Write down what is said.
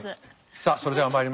さっそれではまいります。